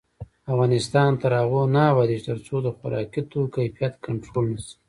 افغانستان تر هغو نه ابادیږي، ترڅو د خوراکي توکو کیفیت کنټرول نشي.